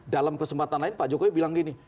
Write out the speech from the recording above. dalam kesempatan lain pak jokowi bilang gini